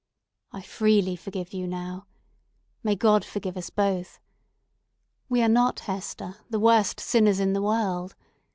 "I freely forgive you now. May God forgive us both. We are not, Hester, the worst sinners in the world.